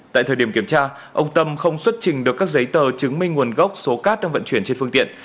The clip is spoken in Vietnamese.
tại thời điểm kiểm tra ông tâm không xuất trình được các giấy tờ chứng minh nguồn gốc số cát đang vận chuyển trên phương tiện